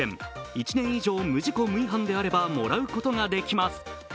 １年以上無事故無違反であればもらうことができます。